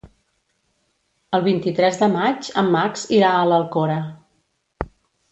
El vint-i-tres de maig en Max irà a l'Alcora.